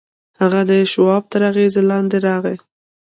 هغه د شواب تر اغېز لاندې راغی